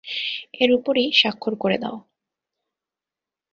এর উপরই স্বাক্ষর করে দাও।